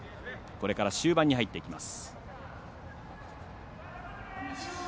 これから終盤に入っていきます。